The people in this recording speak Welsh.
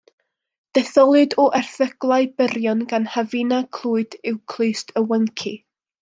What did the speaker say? Detholiad o erthyglau byrion gan Hafina Clwyd yw Clust y Wenci.